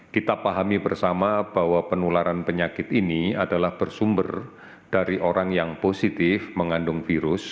kita pahami bersama bahwa penularan penyakit ini adalah bersumber dari orang yang positif mengandung virus